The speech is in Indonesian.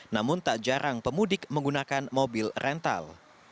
namun tak jarang pemudik menggunakan mobil rental